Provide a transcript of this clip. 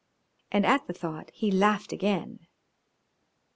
And at the thought he laughed again.